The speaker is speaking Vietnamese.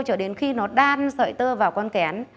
cho đến khi nó đan sợi tơ vào con kén